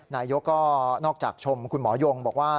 นายกรัฐมนตรีก็นอกจากชมคุณหมอยงบอกว่า